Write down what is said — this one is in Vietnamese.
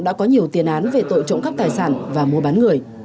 đã có nhiều tiền án về tội trộn các tài sản và mua bán người